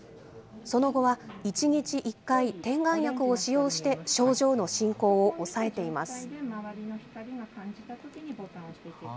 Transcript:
その後は１日１回点眼薬を使用して、症状の進行を抑えています。